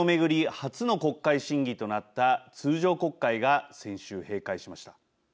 初の国会審議となった通常国会が先週、閉会しました。